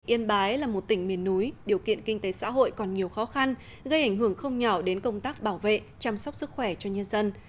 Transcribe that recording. yên bái là một tỉnh miền núi điều kiện kinh tế xã hội còn nhiều khó khăn gây ảnh hưởng không nhỏ đến công tác bảo vệ chăm sóc sức khỏe cho nhân dân